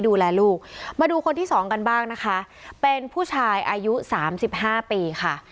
ดูแลลูกมาดูคนที่สองกันบ้างนะคะเป็นผู้ชายอายุสามสิบห้าปีค่ะ